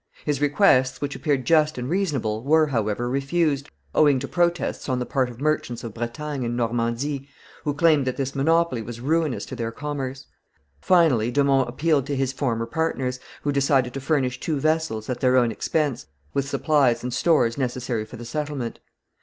His requests, which appeared just and reasonable, were, however, refused, owing to protests on the part of merchants of Bretagne and Normandy, who claimed that this monopoly was ruinous to their commerce. Finally de Monts appealed to his former partners, who decided to furnish two vessels, at their own expense, with supplies and stores necessary for the settlement.